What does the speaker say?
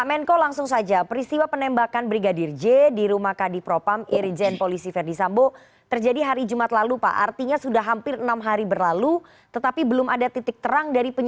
enggak sudah ada titik terang